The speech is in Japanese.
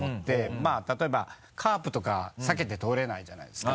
まぁ例えばカープとか避けて通れないじゃないですか。